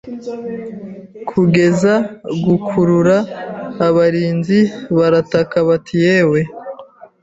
kugeza gukurura abarinzi barataka bati "Yewe